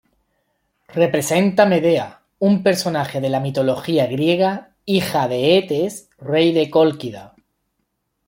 Representa Medea, un personaje de la mitología griega, hija de Eetes, rey de Cólquida.